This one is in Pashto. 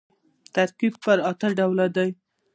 ترکیب پر اته ډوله دئ.